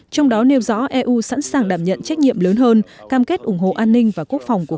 trong đó nêu rõ eu sẵn sàng đảm nhận trách nhiệm lớn hơn cam kết ủng hộ an ninh và quốc phòng của